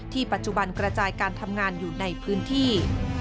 ปัจจุบันกระจายการทำงานอยู่ในพื้นที่